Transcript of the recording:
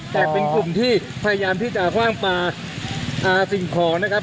แต่เป็นกลุ่มที่พยายามที่จะคว่างปลาสิ่งของนะครับ